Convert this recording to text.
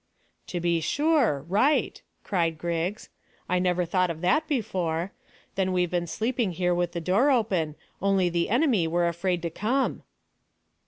"To be sure! Right!" cried Griggs. "I never thought of that before. Then we've been sleeping here with the door open, only the enemy were afraid to come."